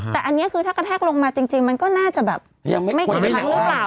แต่อันนี้คือถ้ากระแทกลงมาจริงมันก็น่าจะแบบยังไม่กี่ครั้งหรือเปล่า